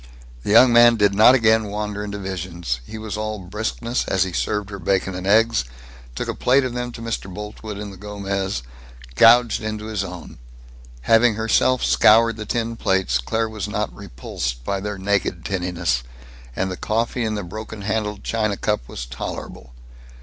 The young man did not again wander into visions. He was all briskness as he served her bacon and eggs, took a plate of them to Mr. Boltwood in the Gomez, gouged into his own. Having herself scoured the tin plates, Claire was not repulsed by their naked tinniness; and the coffee in the broken handled china cup was tolerable.